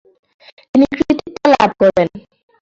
তিনি কৃতিত্ব লাভ করেন।